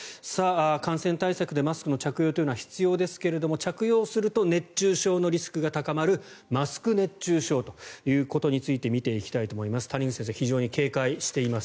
感染対策でマスクの着用は必要ですが着用すると熱中症のリスクが高まるマスク熱中症ということについて見ていきたいと思います。